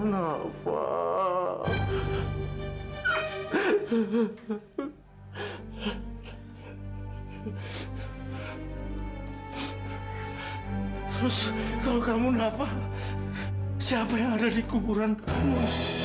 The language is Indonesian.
terus kalau kamu nafa siapa yang ada di kuburan kamu